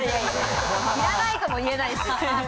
いらないとも言えないし。